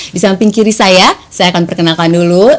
di samping kiri saya saya akan perkenalkan dulu